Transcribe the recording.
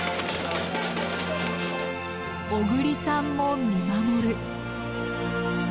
小栗さんも見守る。